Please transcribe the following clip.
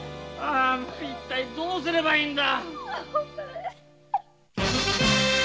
一体どうすればいいんだ